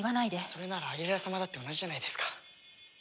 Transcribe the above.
それならアギレラ様だって同じじゃないですか。